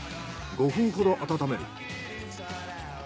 ５分ほど温める。